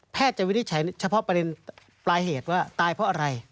จะวินิจฉัยเฉพาะประเด็นปลายเหตุว่าตายเพราะอะไร